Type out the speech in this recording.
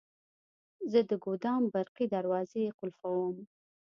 زه د ګودام برقي دروازې قلفووم.